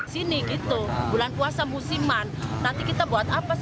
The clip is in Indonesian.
sini gitu bulan puasa musiman nanti kita buat apa sih